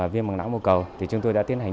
viêm màng não mô cầu thì chúng tôi đã tiến hành